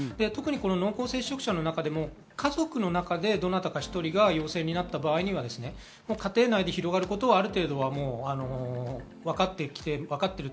特に濃厚接触者の中でも、家族の中でどなたか１人が陽性になった場合、家庭内で広がることはある程度わかってきています。